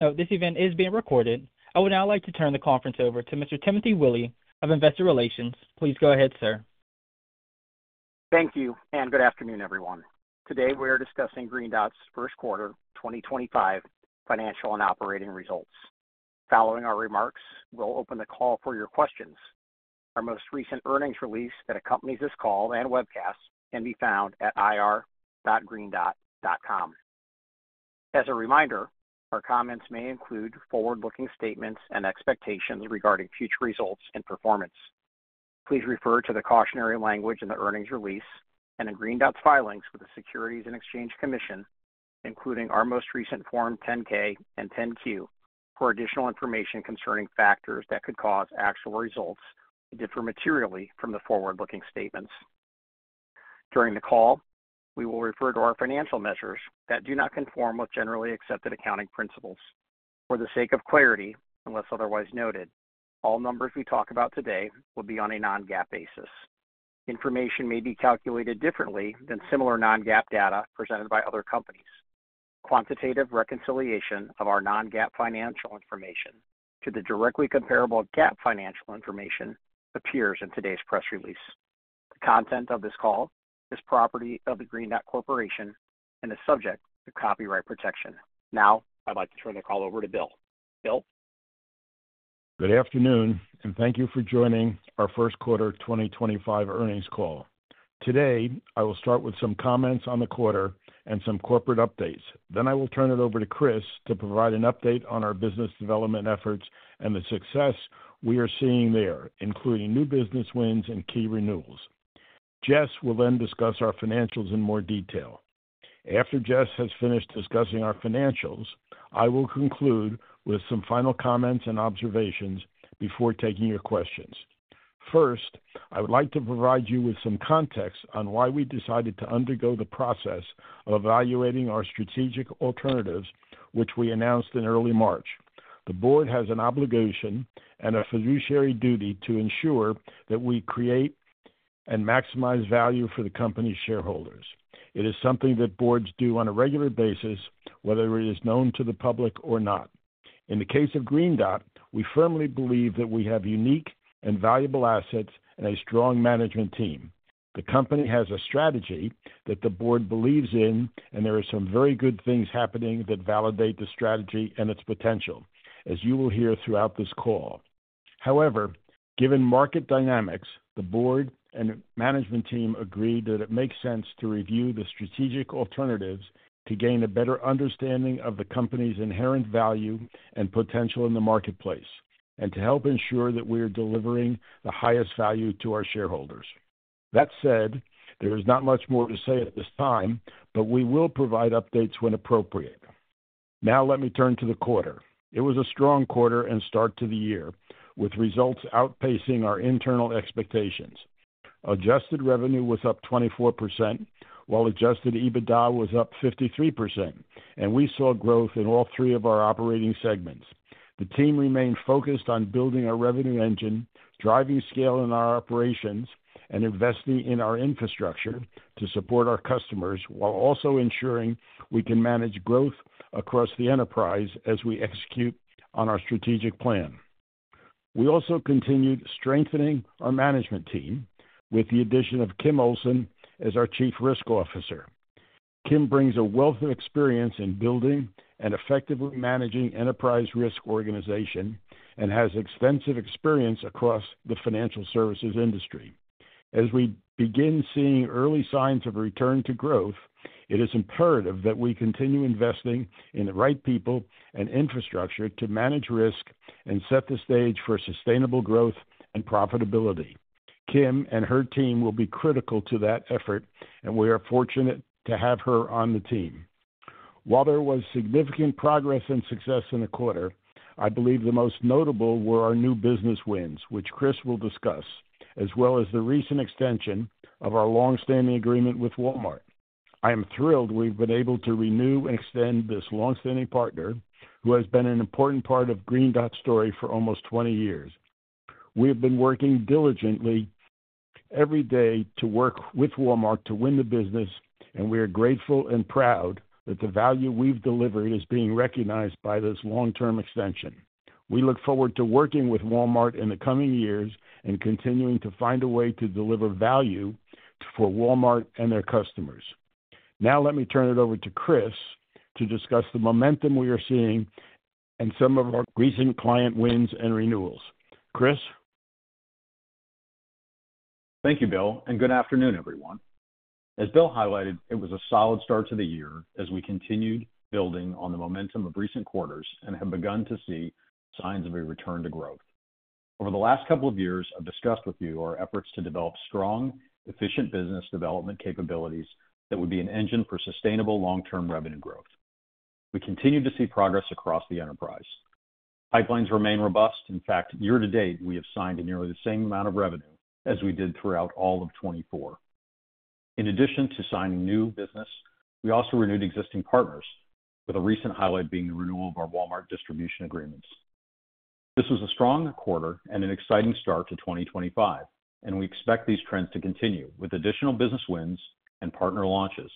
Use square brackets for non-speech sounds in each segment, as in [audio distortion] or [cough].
Note: this event is being recorded. I would now like to turn the conference over to Mr. Timothy Willi of Investor Relations. Please go ahead, sir. Thank you, and good afternoon, everyone. Today we are discussing Green Dot's first quarter 2025 financial and operating results. Following our remarks, we'll open the call for your questions. Our most recent earnings release that accompanies this call and webcast can be found at ir.greendot.com. As a reminder, our comments may include forward-looking statements and expectations regarding future results and performance. Please refer to the cautionary language in the earnings release and in Green Dot's filings with the Securities and Exchange Commission, including our most recent Form 10-K and 10-Q, for additional information concerning factors that could cause actual results to differ materially from the forward-looking statements. During the call, we will refer to our financial measures that do not conform with generally accepted accounting principles. For the sake of clarity, unless otherwise noted, all numbers we talk about today will be on a non-GAAP basis. Information may be calculated differently than similar non-GAAP data presented by other companies. Quantitative reconciliation of our non-GAAP financial information to the directly comparable GAAP financial information appears in today's press release. The content of this call is property of Green Dot Corporation and is subject to copyright protection. Now, I'd like to turn the call over to Bill. Bill. Good afternoon, and thank you for joining our first quarter 2025 earnings call. Today, I will start with some comments on the quarter and some corporate updates. I will turn it over to Chris to provide an update on our business development efforts and the success we are seeing there, including new business wins and key renewals. Jess will then discuss our financials in more detail. After Jess has finished discussing our financials, I will conclude with some final comments and observations before taking your questions. First, I would like to provide you with some context on why we decided to undergo the process of evaluating our strategic alternatives, which we announced in early March. The board has an obligation and a fiduciary duty to ensure that we create and maximize value for the company's shareholders. It is something that boards do on a regular basis, whether it is known to the public or not. In the case of Green Dot, we firmly believe that we have unique and valuable assets and a strong management team. The company has a strategy that the board believes in, and there are some very good things happening that validate the strategy and its potential, as you will hear throughout this call. However, given market dynamics, the board and management team agreed that it makes sense to review the strategic alternatives to gain a better understanding of the company's inherent value and potential in the marketplace, and to help ensure that we are delivering the highest value to our shareholders. That said, there is not much more to say at this time, but we will provide updates when appropriate. Now, let me turn to the quarter. It was a strong quarter and start to the year, with results outpacing our internal expectations. Adjusted revenue was up 24%, while adjusted EBITDA was up 53%, and we saw growth in all three of our operating segments. The team remained focused on building our revenue engine, driving scale in our operations, and investing in our infrastructure to support our customers, while also ensuring we can manage growth across the enterprise as we execute on our strategic plan. We also continued strengthening our management team with the addition of Kim Olson as our Chief Risk Officer. Kim brings a wealth of experience in building and effectively managing enterprise risk organization and has extensive experience across the financial services industry. As we begin seeing early signs of return to growth, it is imperative that we continue investing in the right people and infrastructure to manage risk and set the stage for sustainable growth and profitability. Kim and her team will be critical to that effort, and we are fortunate to have her on the team. While there was significant progress and success in the quarter, I believe the most notable were our new business wins, which Chris will discuss, as well as the recent extension of our longstanding agreement with Walmart. I am thrilled we've been able to renew and extend this longstanding partner, who has been an important part of Green Dot's story for almost 20 years. We have been working diligently every day to work with Walmart to win the business, and we are grateful and proud that the value we've delivered is being recognized by this long-term extension. We look forward to working with Walmart in the coming years and continuing to find a way to deliver value for Walmart and their customers. Now, let me turn it over to Chris to discuss the momentum we are seeing and some of our recent client wins and renewals. Chris. Thank you, Bill, and good afternoon, everyone. As Bill highlighted, it was a solid start to the year as we continued building on the momentum of recent quarters and have begun to see signs of a return to growth. Over the last couple of years, I've discussed with you our efforts to develop strong, efficient business development capabilities that would be an engine for sustainable long-term revenue growth. We continue to see progress across the enterprise. Pipelines remain robust. In fact, year to date, we have signed nearly the same amount of revenue as we did throughout all of 2024. In addition to signing new business, we also renewed existing partners, with a recent highlight being the renewal of our Walmart distribution agreements. This was a strong quarter and an exciting start to 2025, and we expect these trends to continue with additional business wins and partner launches,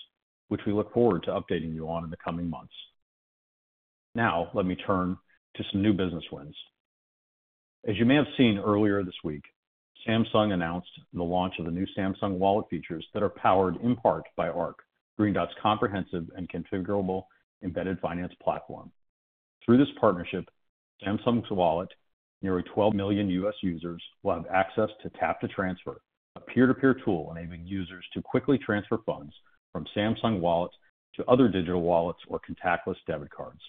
which we look forward to updating you on in the coming months. Now, let me turn to some new business wins. As you may have seen earlier this week, Samsung announced the launch of the new Samsung Wallet features that are powered in part by ARC, Green Dot's comprehensive and configurable embedded finance platform. Through this partnership, Samsung's Wallet, nearly 12 million U.S. users, will have access to Tap to Transfer, a peer-to-peer tool enabling users to quickly transfer funds from Samsung Wallet to other digital wallets or contactless debit cards.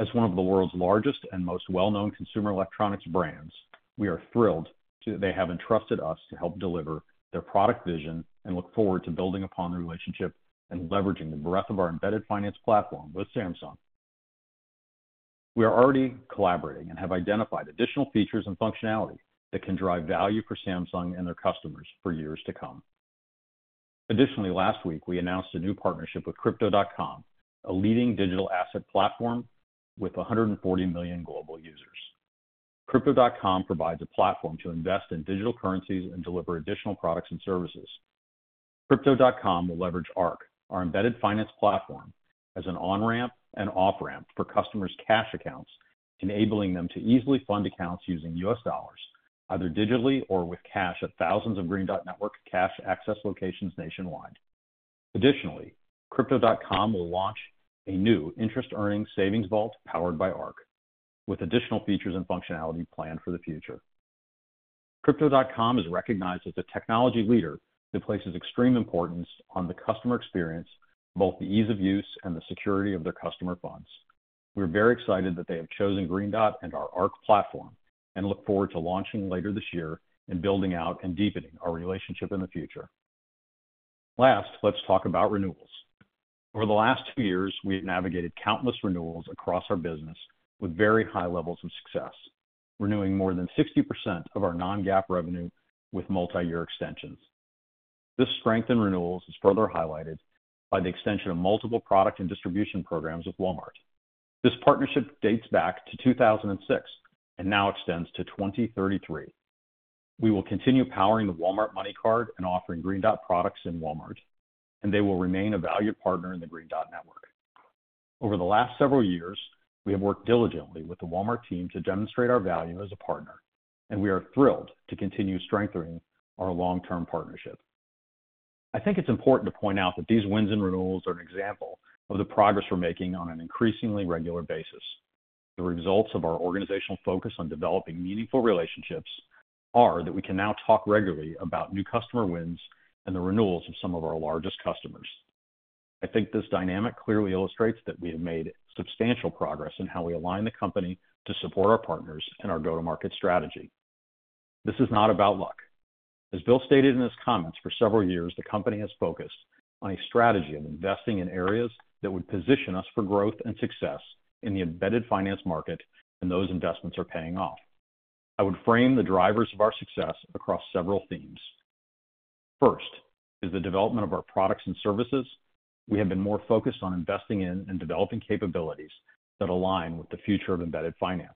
As one of the world's largest and most well-known consumer electronics brands, we are thrilled that they have entrusted us to help deliver their product vision and look forward to building upon the relationship and leveraging the breadth of our embedded finance platform with Samsung. We are already collaborating and have identified additional features and functionality that can drive value for Samsung and their customers for years to come. Additionally, last week, we announced a new partnership with Crypto.com, a leading digital asset platform with 140 million global users. Crypto.com provides a platform to invest in digital currencies and deliver additional products and services. Crypto.com will leverage ARC, our embedded finance platform, as an on-ramp and off-ramp for customers' cash accounts, enabling them to easily fund accounts using U.S. dollars, either digitally or with cash at thousands of Green Dot Network cash access locations nationwide. Additionally, Crypto.com will launch a new interest-earning savings vault powered by ARC, with additional features and functionality planned for the future. Crypto.com is recognized as a technology leader that places extreme importance on the customer experience, both the ease of use and the security of their customer funds. We are very excited that they have chosen Green Dot and our ARC platform and look forward to launching later this year and building out and deepening our relationship in the future. Last, let's talk about renewals. Over the last two years, we have navigated countless renewals across our business with very high levels of success, renewing more than 60% of our non-GAAP revenue with multi-year extensions. This strength in renewals is further highlighted by the extension of multiple product and distribution programs with Walmart. This partnership dates back to 2006 and now extends to 2033. We will continue powering the Walmart MoneyCard and offering Green Dot products in Walmart, and they will remain a valued partner in the Green Dot Network. Over the last several years, we have worked diligently with the Walmart team to demonstrate our value as a partner, and we are thrilled to continue strengthening our long-term partnership. I think it's important to point out that these wins and renewals are an example of the progress we're making on an increasingly regular basis. The results of our organizational focus on developing meaningful relationships are that we can now talk regularly about new customer wins and the renewals of some of our largest customers. I think this dynamic clearly illustrates that we have made substantial progress in how we align the company to support our partners and our go-to-market strategy. This is not about luck. As Bill stated in his comments, for several years, the company has focused on a strategy of investing in areas that would position us for growth and success in the embedded finance market, and those investments are paying off. I would frame the drivers of our success across several themes. First is the development of our products and services. We have been more focused on investing in and developing capabilities that align with the future of embedded finance.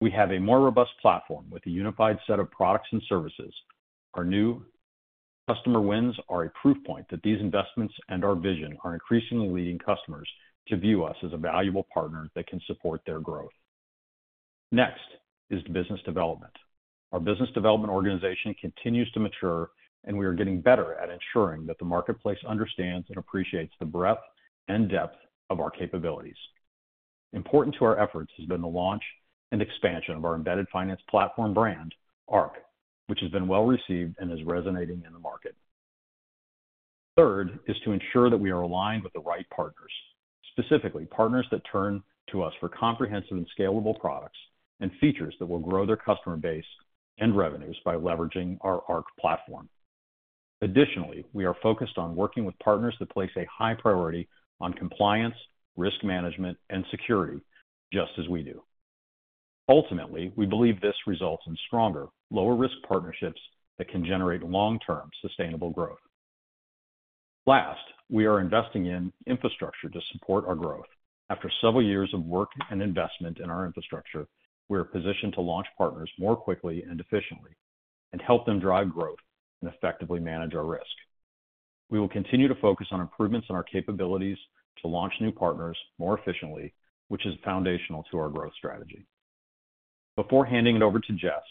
We have a more robust platform with a unified set of products and services. Our new customer wins are a proof point that these investments and our vision are increasingly leading customers to view us as a valuable partner that can support their growth. Next is business development. Our business development organization continues to mature, and we are getting better at ensuring that the marketplace understands and appreciates the breadth and depth of our capabilities. Important to our efforts has been the launch and expansion of our embedded finance platform brand, ARC, which has been well received and is resonating in the market. Third is to ensure that we are aligned with the right partners, specifically partners that turn to us for comprehensive and scalable products and features that will grow their customer base and revenues by leveraging our ARC platform. Additionally, we are focused on working with partners that place a high priority on compliance, risk management, and security, just as we do. Ultimately, we believe this results in stronger, lower-risk partnerships that can generate long-term sustainable growth. Last, we are investing in infrastructure to support our growth. After several years of work and investment in our infrastructure, we are positioned to launch partners more quickly and efficiently and help them drive growth and effectively manage our risk. We will continue to focus on improvements in our capabilities to launch new partners more efficiently, which is foundational to our growth strategy. Before handing it over to Jess,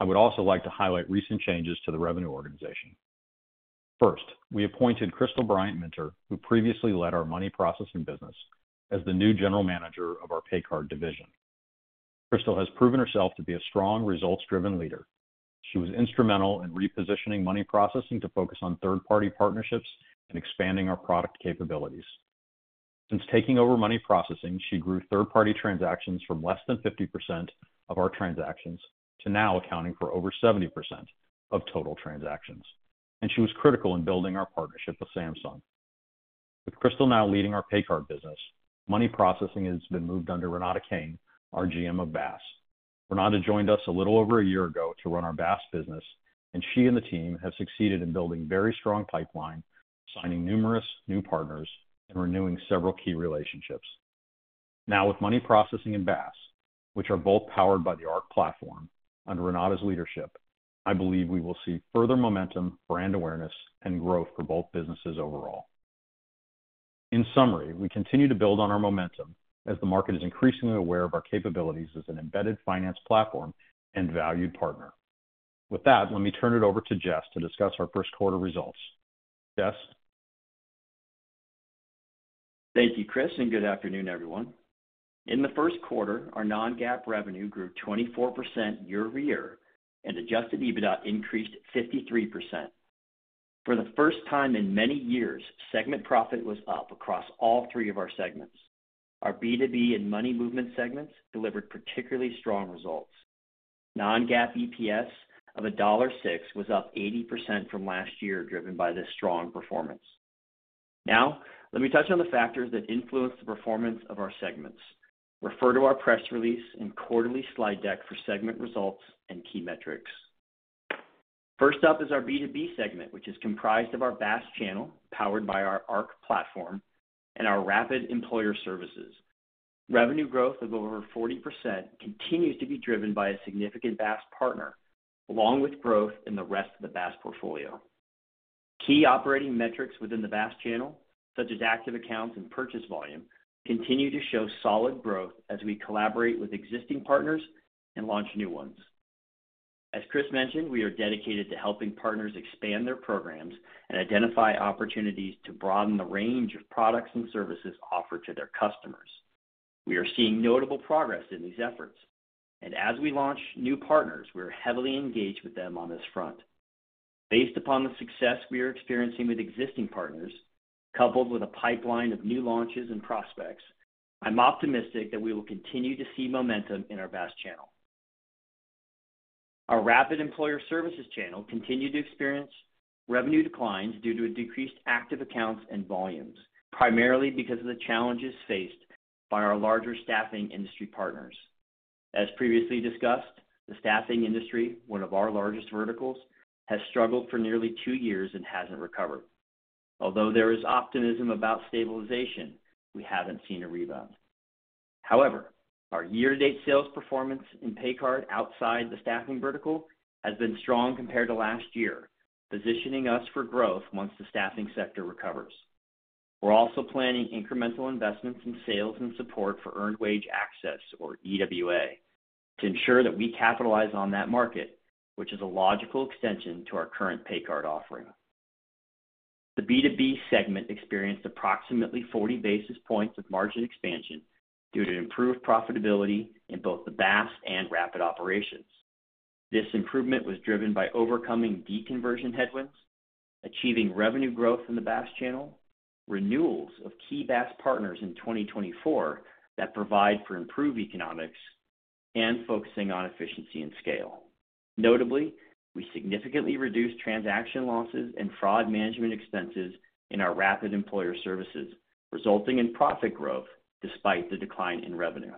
I would also like to highlight recent changes to the revenue organization. First, we appointed Crystal Bryant-Minter, who previously led our money processing business, as the new General Manager of our pay card division. Crystal has proven herself to be a strong, results-driven leader. She was instrumental in repositioning money processing to focus on third-party partnerships and expanding our product capabilities. Since taking over money processing, she grew third-party transactions from less than 50% of our transactions to now accounting for over 70% of total transactions, and she was critical in building our partnership with Samsung. With Crystal now leading our pay card business, money processing has been moved under Renata Caine, our GM of BaaS. Renata joined us a little over a year ago to run our BaaS business, and she and the team have succeeded in building very strong pipelines, signing numerous new partners, and renewing several key relationships. Now, with money processing and BaaS, which are both powered by the ARC platform under Renata's leadership, I believe we will see further momentum, brand awareness, and growth for both businesses overall. In summary, we continue to build on our momentum as the market is increasingly aware of our capabilities as an embedded finance platform and valued partner. With that, let me turn it over to Jess to discuss our first quarter results. Jess. Thank you, Chris, and good afternoon, everyone. In the first quarter, our non-GAAP revenue grew 24% year over year, and adjusted EBITDA increased 53%. For the first time in many years, segment profit was up across all three of our segments. Our B2B and money movement segments delivered particularly strong results. Non-GAAP EPS of $1.06 was up 80% from last year, driven by this strong performance. Now, let me touch on the factors that influence the performance of our segments. Refer to our press release and quarterly slide deck for segment results and key metrics. First up is our B2B segment, which is comprised of our BaaS channel powered by our ARC platform and our Rapid Employer Services. Revenue growth of over 40% continues to be driven by a significant BaaS partner, along with growth in the rest of the BaaS portfolio. Key operating metrics within the BaaS channel, such as active accounts and purchase volume, continue to show solid growth as we collaborate with existing partners and launch new ones. As Chris mentioned, we are dedicated to helping partners expand their programs and identify opportunities to broaden the range of products and services offered to their customers. We are seeing notable progress in these efforts, and as we launch new partners, we are heavily engaged with them on this front. Based upon the success we are experiencing with existing partners, coupled with a pipeline of new launches and prospects, I'm optimistic that we will continue to see momentum in our BaaS channel. Our Rapid Employer Services channel continued to experience revenue declines due to decreased active accounts and volumes, primarily because of the challenges faced by our larger staffing industry partners. As previously discussed, the staffing industry, one of our largest verticals, has struggled for nearly two years and hasn't recovered. Although there is optimism about stabilization, we haven't seen a rebound. However, our year-to-date sales performance in pay card outside the staffing vertical has been strong compared to last year, positioning us for growth once the staffing sector recovers. We're also planning incremental investments in sales and support for earned wage access, or EWA, to ensure that we capitalize on that market, which is a logical extension to our current pay card offering. The B2B segment experienced approximately 40 basis points of margin expansion due to improved profitability in both the BaaS and Rapid operations. This improvement was driven by overcoming deconversion headwinds, achieving revenue growth in the BaaS channel, renewals of key BaaS partners in 2024 that provide for improved economics, and focusing on efficiency and scale. Notably, we significantly reduced transaction losses and fraud management expenses in our Rapid Employer Services, resulting in profit growth despite the decline in revenue.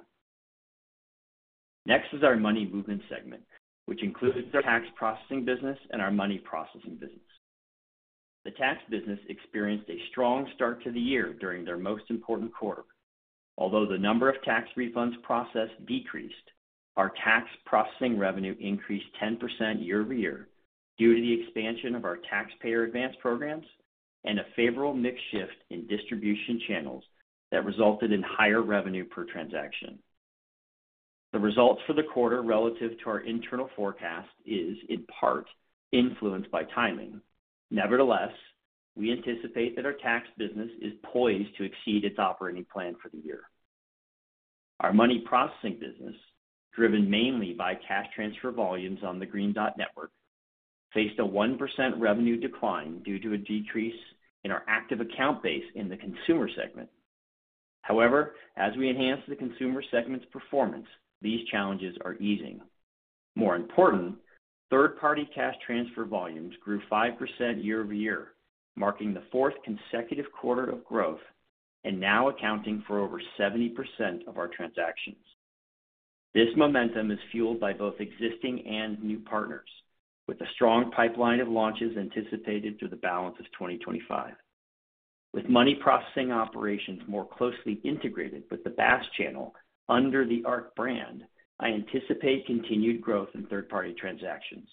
Next is our money movement segment, which includes the tax processing business and our money processing business. The tax business experienced a strong start to the year during their most important quarter. Although the number of tax refunds processed decreased, our tax processing revenue increased 10% year over year due to the expansion of our taxpayer advance programs and a favorable mix shift in distribution channels that resulted in higher revenue per transaction. The results for the quarter relative to our internal forecast is, in part, influenced by timing. Nevertheless, we anticipate that our tax business is poised to exceed its operating plan for the year. Our money processing business, driven mainly by cash transfer volumes on the Green Dot Network, faced a 1% revenue decline due to a decrease in our active account base in the consumer segment. However, as we enhance the consumer segment's performance, these challenges are easing. More important, third-party cash transfer volumes grew 5% year over year, marking the fourth consecutive quarter of growth and now accounting for over 70% of our transactions. This momentum is fueled by both existing and new partners, with a strong pipeline of launches anticipated through the balance of 2025. With money processing operations more closely integrated with the BaaS channel under the ARC brand, I anticipate continued growth in third-party transactions.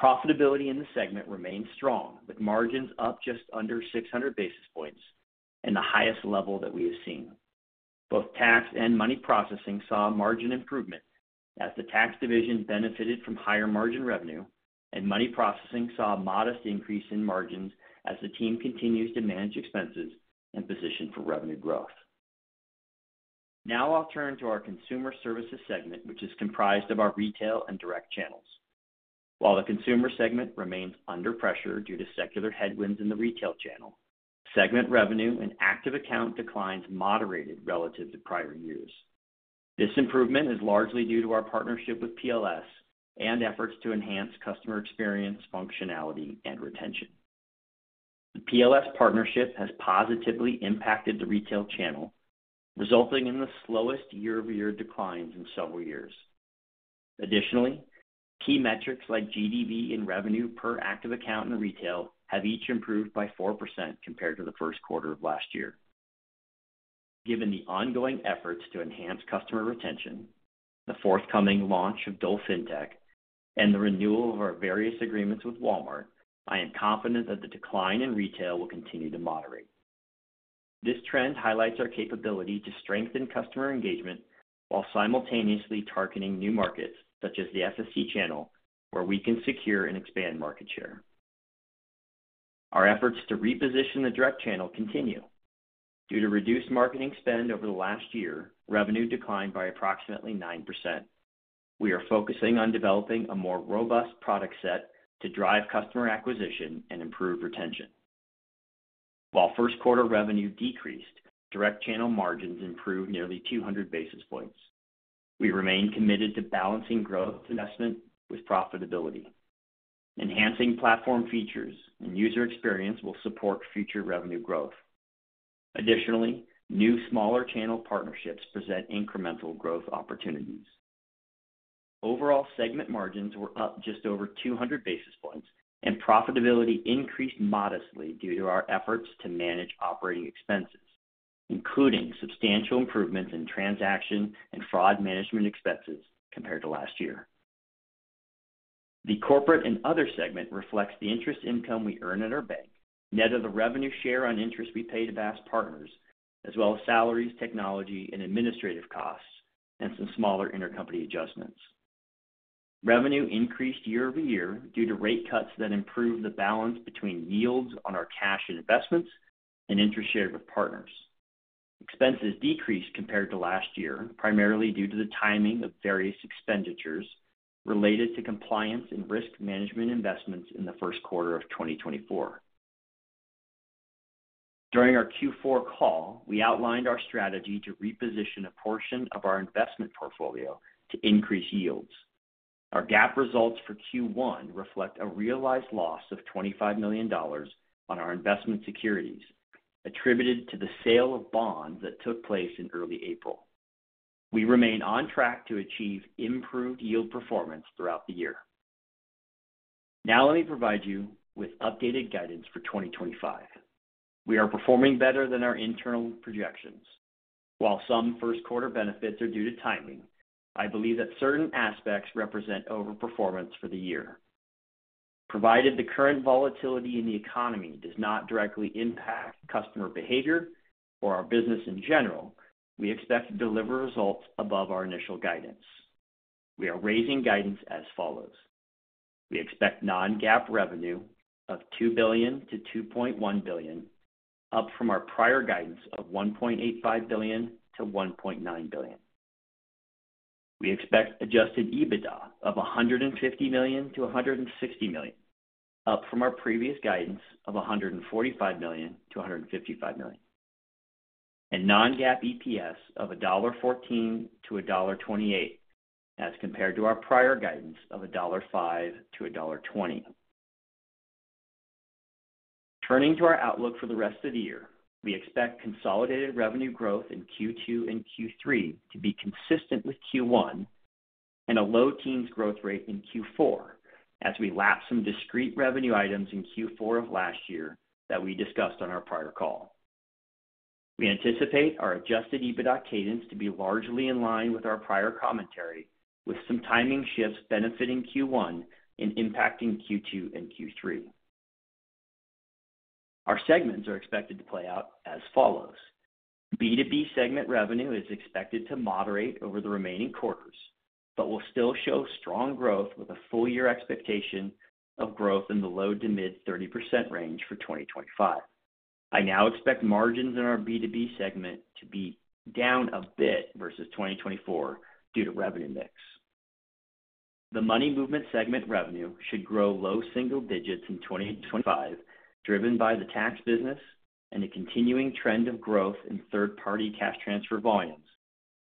Profitability in the segment remains strong, with margins up just under 600 basis points and the highest level that we have seen. Both tax and money processing saw margin improvement as the tax division benefited from higher margin revenue, and money processing saw a modest increase in margins as the team continues to manage expenses and position for revenue growth. Now I'll turn to our consumer services segment, which is comprised of our retail and direct channels. While the consumer segment remains under pressure due to secular headwinds in the retail channel, segment revenue and active account declines moderated relative to prior years. This improvement is largely due to our partnership with PLS and efforts to enhance customer experience, functionality, and retention. The PLS partnership has positively impacted the retail channel, resulting in the slowest year-over-year declines in several years. Additionally, key metrics like GDV and revenue per active account in retail have each improved by 4% compared to the first quarter of last year. Given the ongoing efforts to enhance customer retention, the forthcoming launch of Dolphin Tech, and the renewal of our various agreements with Walmart, I am confident that the decline in retail will continue to moderate. This trend highlights our capability to strengthen customer engagement while simultaneously targeting new markets, such as the FSC channel, where we can secure and expand market share. Our efforts to reposition the direct channel continue. Due to reduced marketing spend over the last year, revenue declined by approximately 9%. We are focusing on developing a more robust product set to drive customer acquisition and improve retention. While first quarter revenue decreased, direct channel margins improved nearly 200 basis points. We remain committed to balancing growth investment with profitability. Enhancing platform features and user experience will support future revenue growth. Additionally, new smaller channel partnerships present incremental growth opportunities. Overall, segment margins were up just over 200 basis points, and profitability increased modestly due to our efforts to manage operating expenses, including substantial improvements in transaction and fraud management expenses compared to last year. The corporate and other segment reflects the interest income we earn at our bank, net of the revenue share on interest we pay to BaaS partners, as well as salaries, technology, and administrative costs, and some smaller intercompany adjustments. Revenue increased year over year due to rate cuts that improved the balance between yields on our cash and investments and interest shared with partners. Expenses decreased compared to last year, primarily due to the timing of various expenditures related to compliance and risk management investments in the first quarter of 2024. During our Q4 call, we outlined our strategy to reposition a portion of our investment portfolio to increase yields. Our GAAP results for Q1 reflect a realized loss of $25 million on our investment securities, attributed to the sale of bonds that took place in early April. We remain on track to achieve improved yield performance throughout the year. Now let me provide you with updated guidance for 2025. We are performing better than our internal projections. While some first quarter benefits are due to timing, I believe that certain aspects represent overperformance for the year. Provided the current volatility in the economy does not directly impact customer behavior or our business in general, we expect to deliver results above our initial guidance. We are raising guidance as follows. We expect non-GAAP revenue of $2 billion-$2.1 billion, up from our prior guidance of $1.85 billion-$1.9 billion. We expect adjusted EBITDA of $150 million-$160 million, up from our previous guidance of $145 million-$155 million. Non-GAAP EPS of $1.14-$1.28, as compared to our prior guidance of $1.05-$1.20. Turning to our outlook for the rest of the year, we expect consolidated revenue growth in Q2 and Q3 to be consistent with Q1 and a low teens growth rate in Q4, as we lapse some discrete revenue items in Q4 of last year that we discussed on our prior call. We anticipate our adjusted EBITDA cadence to be largely in line with our prior commentary, with some timing shifts benefiting Q1 and impacting Q2 and Q3. Our segments are expected to play out as follows. B2B segment revenue is expected to moderate over the remaining quarters, but will still show strong growth with a full-year expectation of growth in the low to mid 30% range for 2025. I now expect margins in our B2B segment to be down a bit versus 2024 due to revenue mix. The money movement segment revenue should grow low single digits in 2025, driven by the tax business and a continuing trend of growth in third-party cash transfer volumes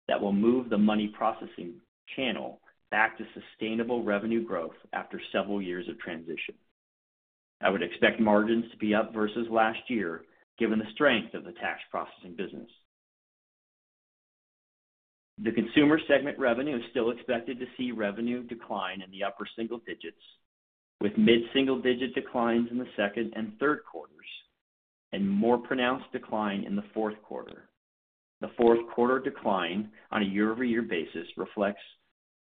that will move the money processing channel back to sustainable revenue growth after several years of transition. I would expect margins to be up versus last year, given the strength of the tax processing business. The consumer segment revenue is still expected to see revenue decline in the upper single digits, with mid single digit declines in the second and third quarters, and more pronounced decline in the fourth quarter. The fourth quarter decline on a year-over-year basis reflects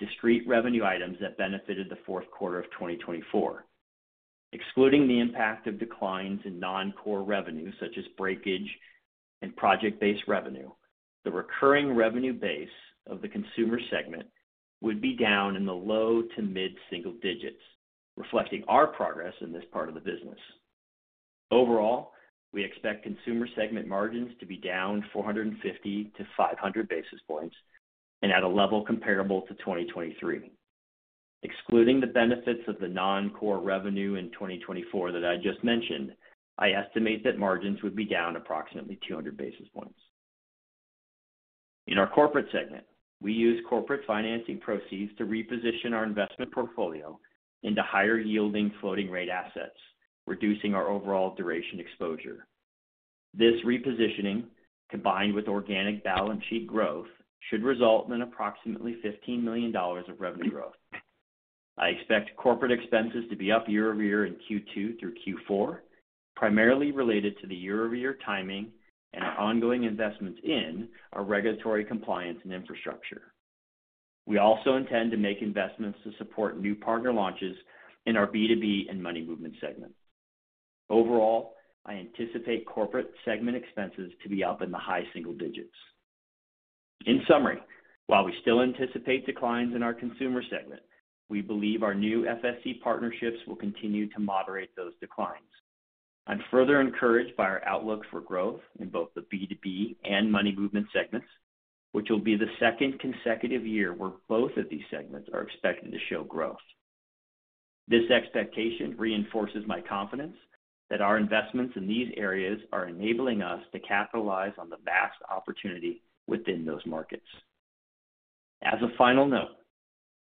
discrete revenue items that benefited the fourth quarter of 2024. Excluding the impact of declines in non-core revenue, such as breakage and project-based revenue, the recurring revenue base of the consumer segment would be down in the low to mid single digits, reflecting our progress in this part of the business. Overall, we expect consumer segment margins to be down 450-500 basis points and at a level comparable to 2023. Excluding the benefits of the non-core revenue in 2024 that I just mentioned, I estimate that margins would be down approximately 200 basis points. In our corporate segment, we use corporate financing proceeds to reposition our investment portfolio into higher-yielding floating-rate assets, reducing our overall duration exposure. This repositioning, combined with organic balance sheet growth, should result in approximately $15 million of revenue growth. I expect corporate expenses to be up year-over-year in Q2 through Q4, primarily related to the year-over-year timing and our ongoing investments in our regulatory compliance and infrastructure. We also intend to make investments to support new partner launches in our B2B and money movement segment. Overall, I anticipate corporate segment expenses to be up in the high single digits. In summary, while we still anticipate declines in our consumer segment, we believe our new FSC partnerships will continue to moderate those declines. I'm further encouraged by our outlook for growth in both the B2B and money movement segments, which will be the second consecutive year where both of these segments are expected to show growth. This expectation reinforces my confidence that our investments in these areas are enabling us to capitalize on the vast opportunity within those markets. As a final note,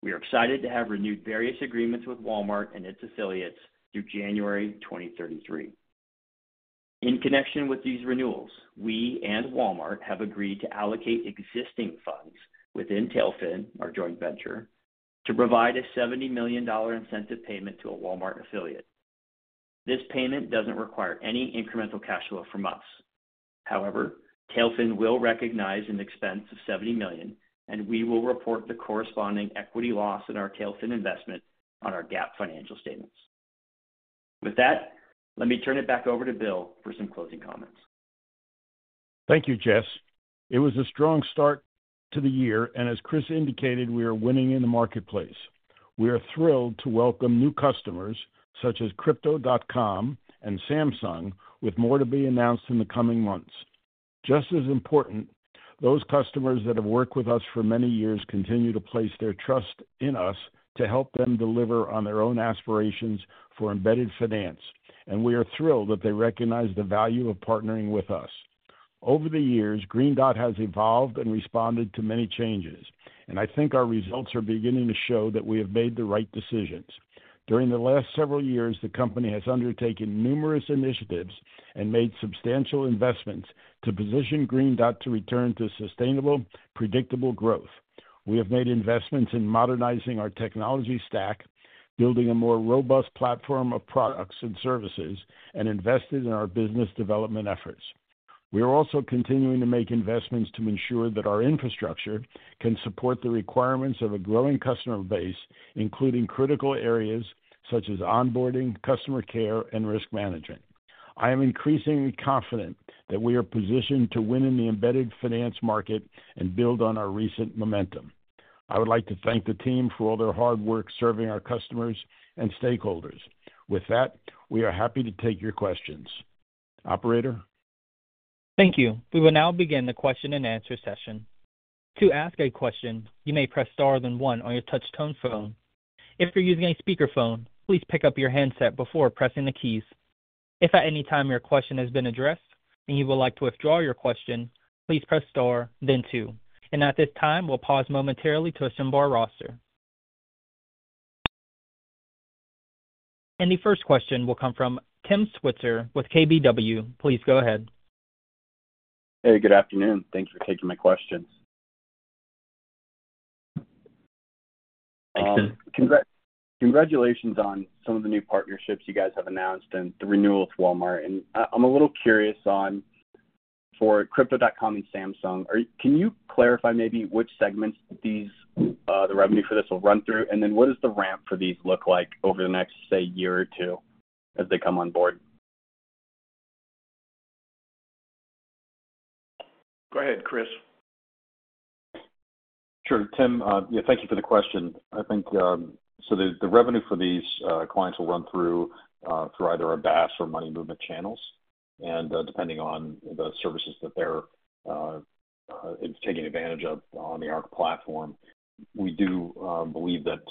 we are excited to have renewed various agreements with Walmart and its affiliates through January 2033. In connection with these renewals, we and Walmart have agreed to allocate existing funds within TailFin, our joint venture, to provide a $70 million incentive payment to a Walmart affiliate. This payment doesn't require any incremental cash flow from us. However, TailFin will recognize an expense of $70 million, and we will report the corresponding equity loss in our TailFin investment on our GAAP financial statements. With that, let me turn it back over to Bill for some closing comments. Thank you, Jess. It was a strong start to the year, and as Chris indicated, we are winning in the marketplace. We are thrilled to welcome new customers such as Crypto.com and Samsung, with more to be announced in the coming months. Just as important, those customers that have worked with us for many years continue to place their trust in us to help them deliver on their own aspirations for embedded finance, and we are thrilled that they recognize the value of partnering with us. Over the years, Green Dot has evolved and responded to many changes, and I think our results are beginning to show that we have made the right decisions. During the last several years, the company has undertaken numerous initiatives and made substantial investments to position Green Dot to return to sustainable, predictable growth. We have made investments in modernizing our technology stack, building a more robust platform of products and services, and invested in our business development efforts. We are also continuing to make investments to ensure that our infrastructure can support the requirements of a growing customer base, including critical areas such as onboarding, customer care, and risk management. I am increasingly confident that we are positioned to win in the embedded finance market and build on our recent momentum. I would like to thank the team for all their hard work serving our customers and stakeholders. With that, we are happy to take your questions. Operator. Thank you. We will now begin the Q&A session. To ask a question, you may press star then one on your touch-tone phone. If you're using a speakerphone, please pick up your handset before pressing the keys. If at any time your question has been addressed and you would like to withdraw your question, please press star, then two. At this time, we'll pause momentarily to assemble our roster. The first question will come from Tim Switzer with KBW. Please go ahead. Hey, good afternoon. Thank you for taking my questions. [audio distortion] Congratulations on some of the new partnerships you guys have announced and the renewal with Walmart. I'm a little curious on for Crypto.com and Samsung, can you clarify maybe which segments the revenue for this will run through, and then what does the ramp for these look like over the next, say, year or two as they come on board? Go ahead, Chris. Sure, Tim. Yeah, thank you for the question. I think the revenue for these clients will run through either our BaaS or money movement channels, depending on the services that they're taking advantage of on the ARC platform. We do believe that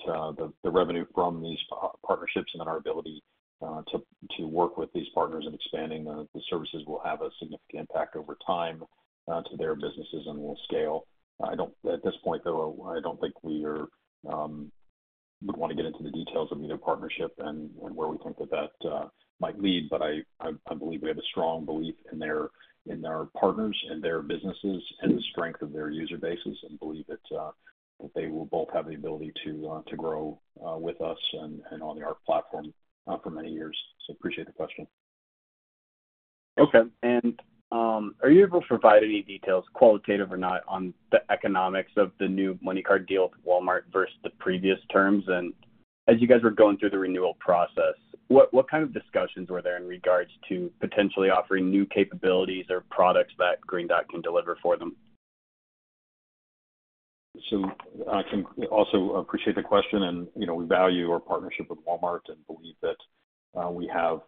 the revenue from these partnerships and our ability to work with these partners and expanding the services will have a significant impact over time to their businesses and will scale. At this point, though, I do not think we would want to get into the details of either partnership and where we think that that might lead, but I believe we have a strong belief in our partners and their businesses and the strength of their user bases and believe that they will both have the ability to grow with us and on the ARC platform for many years. I appreciate the question. Okay. Are you able to provide any details, qualitative or not, on the economics of the new MoneyCard deal with Walmart versus the previous terms? As you guys were going through the renewal process, what kind of discussions were there in regards to potentially offering new capabilities or products that Green Dot can deliver for them? I also appreciate the question, and we value our partnership with Walmart and believe that we have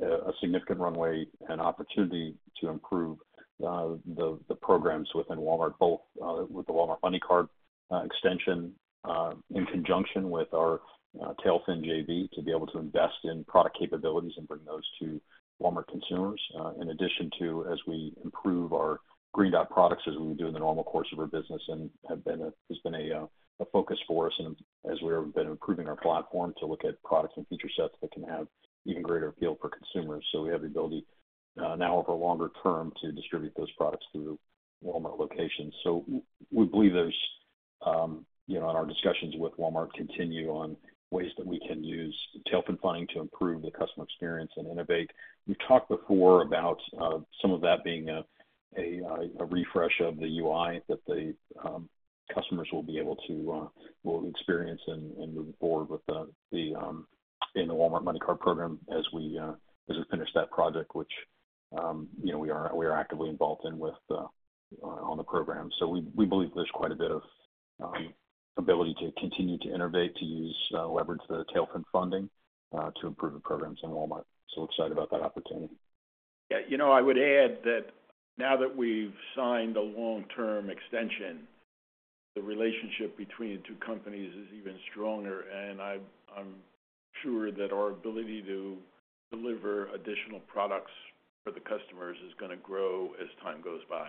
a significant runway and opportunity to improve the programs within Walmart, both with the Walmart MoneyCard extension in conjunction with our TailFin JV to be able to invest in product capabilities and bring those to Walmart consumers. In addition to, as we improve our Green Dot products, as we do in the normal course of our business, and has been a focus for us as we have been improving our platform to look at products and feature sets that can have even greater appeal for consumers. We have the ability now, over a longer term, to distribute those products through Walmart locations. We believe there is, in our discussions with Walmart, continued focus on ways that we can use TailFin funding to improve the customer experience and innovate. We have talked before about some of that being a refresh of the UI that the customers will be able to experience and move forward with in the Walmart MoneyCard program as we finish that project, which we are actively involved in on the program. We believe there is quite a bit of ability to continue to innovate, to leverage the TailFin funding to improve the programs in Walmart. Excited about that opportunity. Yeah, I would add that now that we've signed a long-term extension, the relationship between the two companies is even stronger, and I'm sure that our ability to deliver additional products for the customers is going to grow as time goes by.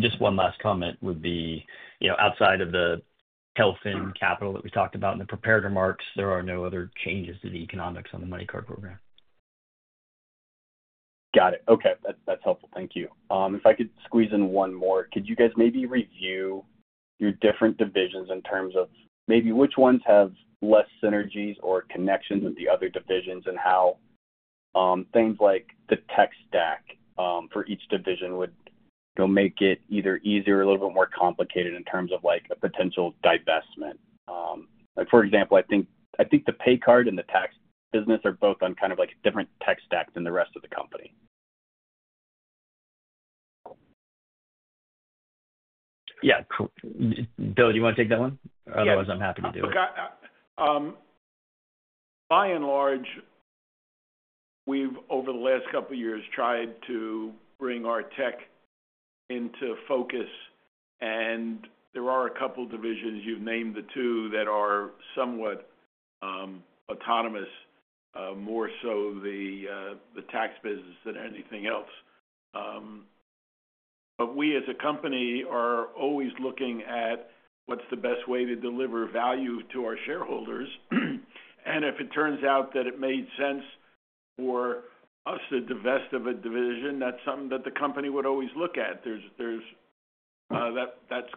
Just one last comment would be, outside of the Tailfin capital that we talked about in the prepared remarks, there are no other changes to the economics on the MoneyCard program. Got it. Okay. That's helpful. Thank you. If I could squeeze in one more, could you guys maybe review your different divisions in terms of maybe which ones have less synergies or connections with the other divisions and how things like the tech stack for each division would make it either easier or a little bit more complicated in terms of a potential divestment? For example, I think the pay card and the tax business are both on kind of a different tech stack than the rest of the company. Yeah. Bill, do you want to take that one? Otherwise, I'm happy to do it. By and large, we've, over the last couple of years, tried to bring our tech into focus, and there are a couple of divisions—you've named the two—that are somewhat autonomous, more so the tax business than anything else. We, as a company, are always looking at what's the best way to deliver value to our shareholders. If it turns out that it made sense for us to divest of a division, that's something that the company would always look at. That's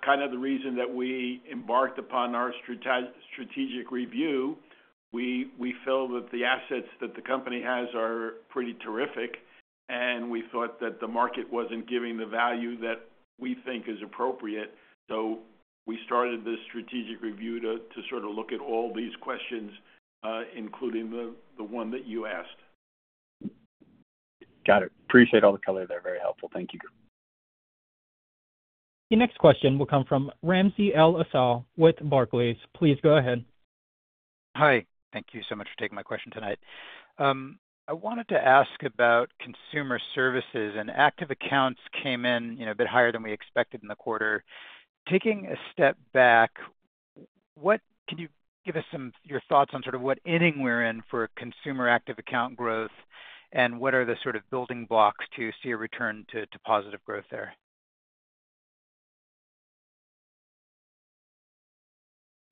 kind of the reason that we embarked upon our strategic review. We feel that the assets that the company has are pretty terrific, and we thought that the market was not giving the value that we think is appropriate. We started this strategic review to sort of look at all these questions, including the one that you asked. Got it. Appreciate all the color there. Very helpful. Thank you. The next question will come from Ramsey El-Assal with Barclays. Please go ahead. Hi. Thank you so much for taking my question tonight. I wanted to ask about consumer services, and active accounts came in a bit higher than we expected in the quarter. Taking a step back, can you give us your thoughts on sort of what ending we are in for consumer active account growth, and what are the sort of building blocks to see a return to positive growth there?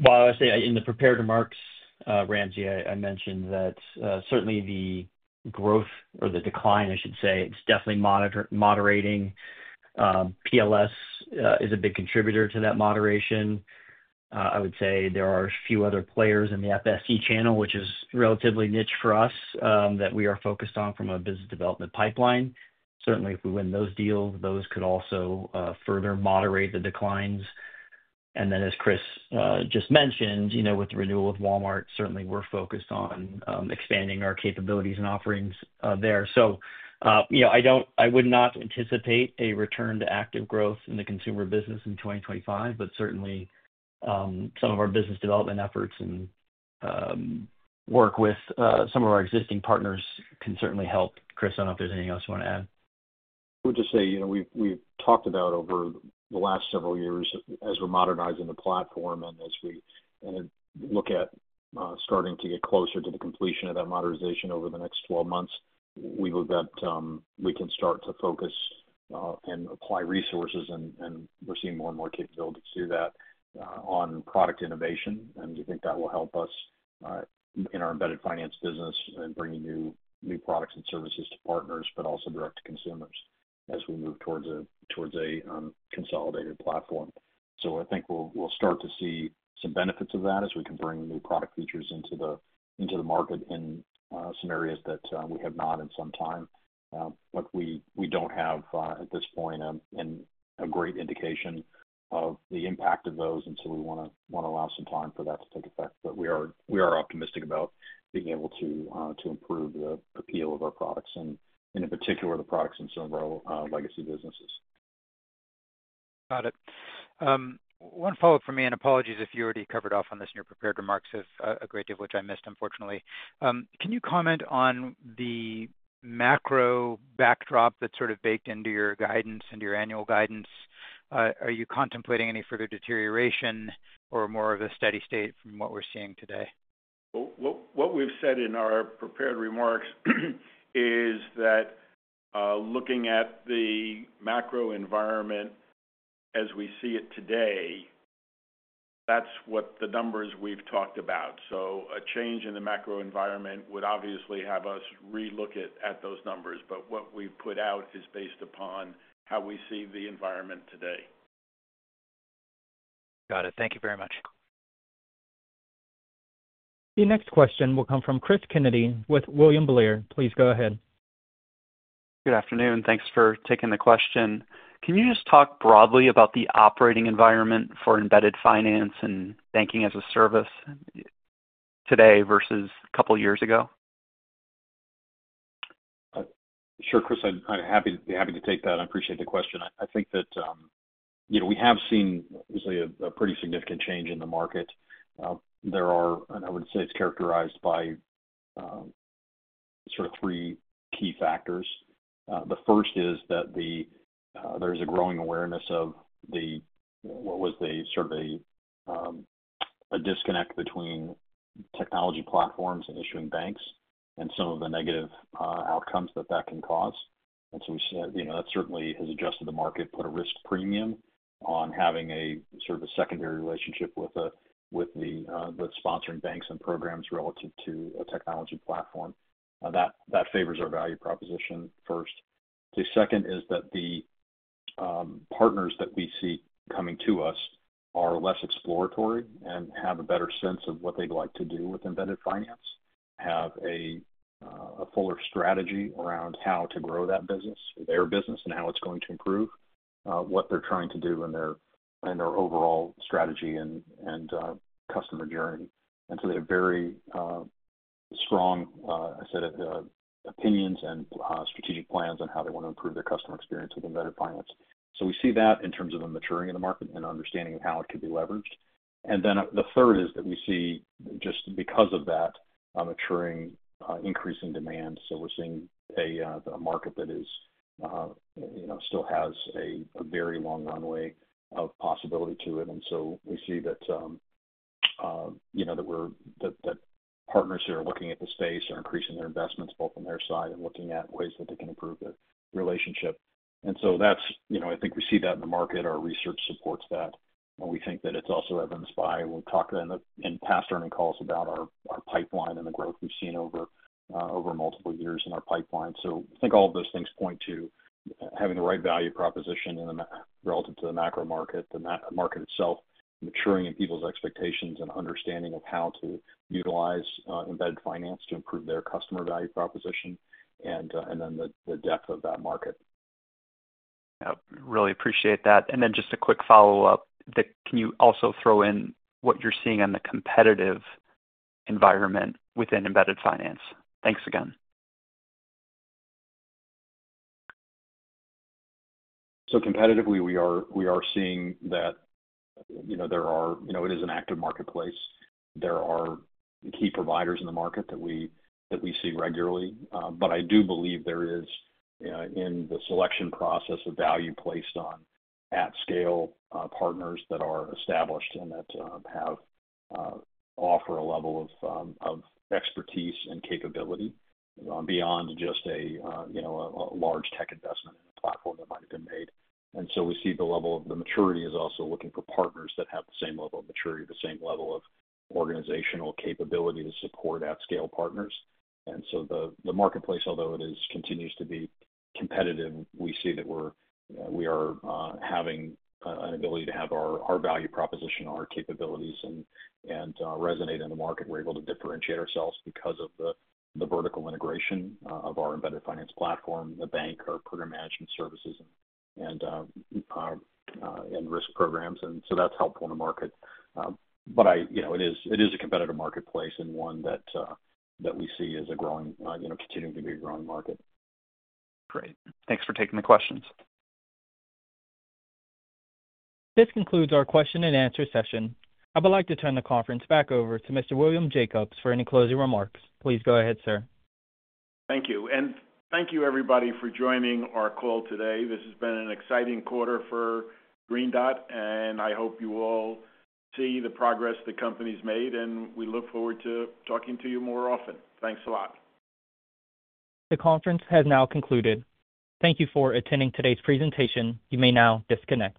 I would say in the prepared remarks, Ramsey, I mentioned that certainly the growth, or the decline, I should say, is definitely moderating. PLS is a big contributor to that moderation. I would say there are a few other players in the FSC channel, which is relatively niche for us, that we are focused on from a business development pipeline. Certainly, if we win those deals, those could also further moderate the declines. As Chris just mentioned, with the renewal with Walmart, certainly we are focused on expanding our capabilities and offerings there. I would not anticipate a return to active growth in the consumer business in 2025, but certainly some of our business development efforts and work with some of our existing partners can certainly help. Chris, I do not know if there is anything else you want to add. I would just say we've talked about over the last several years, as we're modernizing the platform and as we look at starting to get closer to the completion of that modernization over the next 12 months, we believe that we can start to focus and apply resources, and we're seeing more and more capabilities to do that on product innovation. We think that will help us in our embedded finance business and bringing new products and services to partners, but also direct to consumers as we move towards a consolidated platform. I think we'll start to see some benefits of that as we can bring new product features into the market in some areas that we have not in some time. We do not have, at this point, a great indication of the impact of those, and we want to allow some time for that to take effect. We are optimistic about being able to improve the appeal of our products, and in particular, the products in some of our legacy businesses. Got it. One follow-up from me, and apologies if you already covered off on this in your prepared remarks, a great deal of which I missed, unfortunately. Can you comment on the macro backdrop that is sort of baked into your guidance, into your annual guidance? Are you contemplating any further deterioration or more of a steady state from what we are seeing today? What we have said in our prepared remarks is that looking at the macro environment as we see it today, that is what the numbers we have talked about. A change in the macro environment would obviously have us relook at those numbers, but what we've put out is based upon how we see the environment today. Got it. Thank you very much. The next question will come from Chris Kennedy with William Blair. Please go ahead. Good afternoon. Thanks for taking the question. Can you just talk broadly about the operating environment for embedded finance and banking as a service today versus a couple of years ago? Sure, Chris. I'm happy to take that. I appreciate the question. I think that we have seen a pretty significant change in the market. There are, and I would say it's characterized by sort of three key factors. The first is that there is a growing awareness of what was sort of a disconnect between technology platforms and issuing banks and some of the negative outcomes that that can cause. That certainly has adjusted the market, put a risk premium on having a sort of a secondary relationship with the sponsoring banks and programs relative to a technology platform. That favors our value proposition first. The second is that the partners that we see coming to us are less exploratory and have a better sense of what they'd like to do with embedded finance, have a fuller strategy around how to grow that business, their business, and how it's going to improve what they're trying to do in their overall strategy and customer journey. They have very strong, I said, opinions and strategic plans on how they want to improve their customer experience with embedded finance. We see that in terms of them maturing in the market and understanding how it could be leveraged. The third is that we see, just because of that, maturing, increasing demand. We are seeing a market that still has a very long runway of possibility to it. We see that partners who are looking at the space are increasing their investments, both on their side and looking at ways that they can improve the relationship. I think we see that in the market. Our research supports that. We think that it is also evidenced by—we have talked in past earnings calls about our pipeline and the growth we have seen over multiple years in our pipeline. I think all of those things point to having the right value proposition relative to the macro market, the market itself, maturing in people's expectations and understanding of how to utilize embedded finance to improve their customer value proposition, and then the depth of that market. Yep. Really appreciate that. And then just a quick follow-up. Can you also throw in what you're seeing on the competitive environment within embedded finance? Thanks again. Competitively, we are seeing that it is an active marketplace. There are key providers in the market that we see regularly. I do believe there is, in the selection process, a value placed on at-scale partners that are established and that offer a level of expertise and capability beyond just a large tech investment in a platform that might have been made. We see the level of the maturity is also looking for partners that have the same level of maturity, the same level of organizational capability to support at-scale partners. The marketplace, although it continues to be competitive, we see that we are having an ability to have our value proposition, our capabilities, and resonate in the market. We are able to differentiate ourselves because of the vertical integration of our embedded finance platform, the bank, our program management services, and risk programs. That is helpful in the market. It is a competitive marketplace and one that we see as a growing, continuing to be a growing market. Great. Thanks for taking the questions. This concludes our Q&A session. I would like to turn the conference back over to Mr. William Jacobs for any closing remarks. Please go ahead, sir. Thank you. And thank you, everybody, for joining our call today. This has been an exciting quarter for Green Dot, and I hope you all see the progress the company's made, and we look forward to talking to you more often. Thanks a lot. The conference has now concluded. Thank you for attending today's presentation. You may now disconnect.